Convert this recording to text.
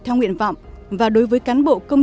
theo nguyện vọng và đối với cán bộ công